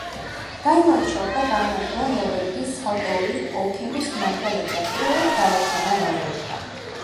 დაიმორჩილა და გაანადგურა ნორვეგიის ცალკეული ოლქების მმართველები და პირველად გააერთიანა ნორვეგია.